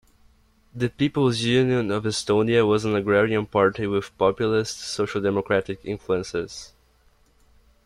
The People's Union of Estonia was an agrarian party with populist, social democratic influences.